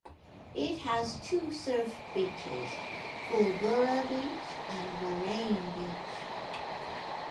It has two surf beaches, Culburra Beach and Warrain Beach.